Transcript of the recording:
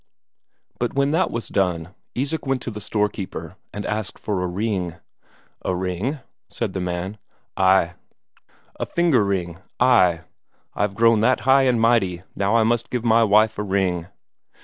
But when that was done, Isak went to the storekeeper and asked for a ring. "A ring?" said the man. "A finger ring. Ay, I've grown that high and mighty now I must give my wife a ring."